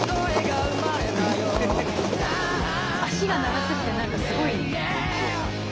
脚が長すぎて何かすごい。